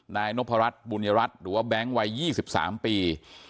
นายนพรัชบุญรัฐหรือว่าแบงค์วัย๒๓ปี